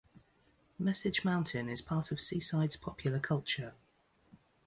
Message Mountain is part of Seaside's popular culture.